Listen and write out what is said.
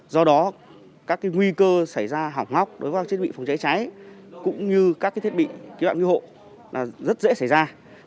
do đó các nguy cơ xảy ra hỏng ngóc đối với các thiết bị phòng cháy cháy cũng như các thiết bị cứu đoạn cứu hộ là rất dễ xảy ra